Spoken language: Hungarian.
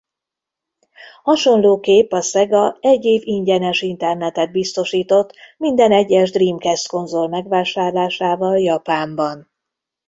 Hasonlóképp a Sega egy év ingyenes internetet biztosított minden egyes Dreamcast-konzol megvásárlásával Japánban.